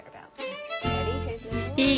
いい？